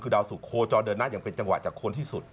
คือดาวสุกโคจรเดินหน้าอย่างเป็นจังหวะจากคนที่สุด